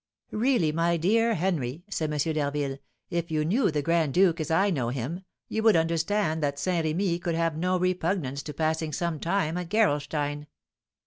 "Really, my dear Henry," said M. d'Harville, "if you knew the grand duke as I know him, you would understand that Saint Remy could have no repugnance to passing some time at Gerolstein."